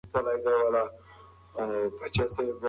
فارابي د ټولني پيدايښت طبيعي اړتيا بولي.